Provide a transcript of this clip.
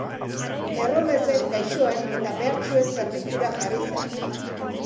Erromesen, gaixoen eta behartsuen zerbitzura jarri zen.